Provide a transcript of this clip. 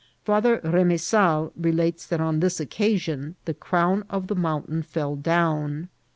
Father Remesal relates that on this occasion the crown of the mountain fell down.